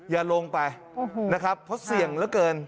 อย่าลงไปนะครับเพราะเสี่ยงเหลือเกิน